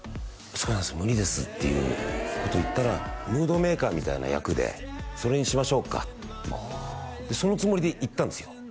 そうなんです無理ですっていうこと言ったら「ムードメーカーみたいな役でそれにしましょうか」でそのつもりで行ったんですよ